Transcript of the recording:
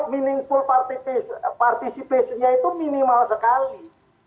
meaningful participationnya itu minimal sekali